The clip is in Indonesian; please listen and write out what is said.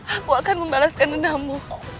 aku akan membalaskan dendammu